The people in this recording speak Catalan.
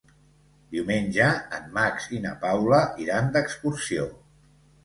Diumenge en Max i na Paula iran d'excursió.